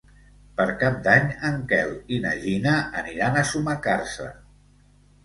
Per Cap d'Any en Quel i na Gina aniran a Sumacàrcer.